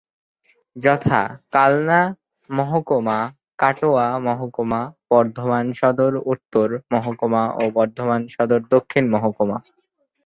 যথা:- কালনা মহকুমা, কাটোয়া মহকুমা, বর্ধমান সদর উত্তর মহকুমা ও বর্ধমান সদর দক্ষিণ মহকুমা।